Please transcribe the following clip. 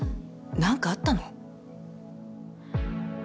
何かあったの？